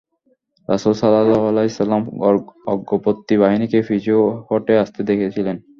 রাসূল সাল্লাল্লাহু আলাইহি ওয়াসাল্লাম অগ্রবর্তী বাহিনীকে পিছু হঁটে আসতে দেখেছিলেন।